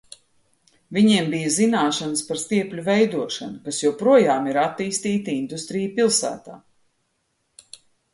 Viņiem bija zināšanas par stiepļu veidošanu, kas joprojām ir attīstīta industrija pilsētā.